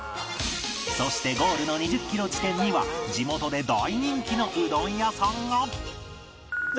そしてゴールの２０キロ地点には地元で大人気のうどん屋さんが